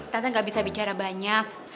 katanya gak bisa bicara banyak